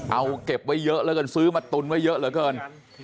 เอาเก็บไว้เยอะแล้วกันซื้อมาตุนไว้เยอะเหลือเกิน